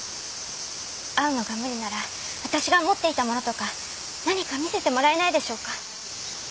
会うのが無理なら私が持っていた物とか何か見せてもらえないでしょうか？